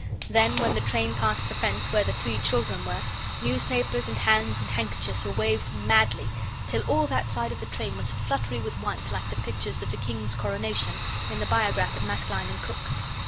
Then, when the train passed the fence where the three children were, newspapers and hands and handkerchiefs were waved madly, till all that side of the train was fluttery with white like the pictures of the King's Coronation in the biograph at Maskelyne and Cook's.